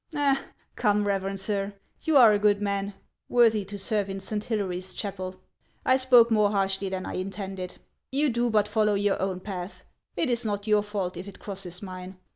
" Come, reverend sir, you are a good man, worthy to serve in St. Hilary's chapel ; I spoke more harshly than I intended. You do but follow your own path ; it is not your fault if it crosses mine.